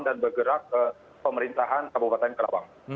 dan bergerak ke pemerintahan kabupaten karawang